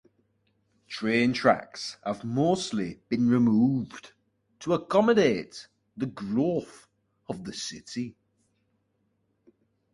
The train tracks have mostly been removed to accommodate the growth of the city.